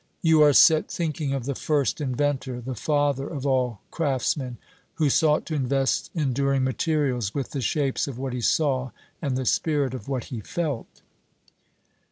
You are set thinking of the first inventor, the father of all craftsmen, who sought to invest enduring materials with the shapes of what he saw and the spirit of what he felt.